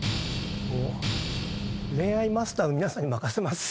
恋愛マスターの皆さんに任せます。